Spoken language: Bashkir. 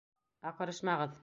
Аҡырышмағыҙ!